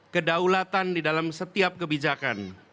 kedaulatan di dalam setiap kebijakan